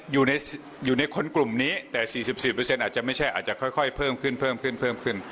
อยู่ในคนกลุ่มนี้แต่สี่สิบสี่เปอร์เซ็นต์อาจจะไม่ใช่อาจจะค่อยเพิ่มขึ้นเพิ่มขึ้นเพิ่มขึ้น